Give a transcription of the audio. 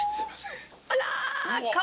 あら！